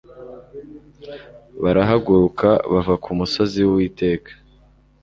barahaguruka bava ku musozi w uwiteka